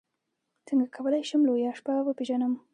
څنګه کولی شم لویه شپه وپېژنم